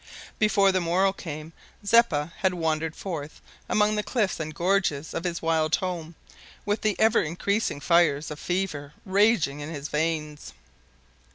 Before the morrow came Zeppa had wandered forth among the cliffs and gorges of his wild home, with the ever increasing fires of fever raging in his veins.